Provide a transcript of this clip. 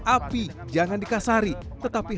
api jangan dikasari tetapi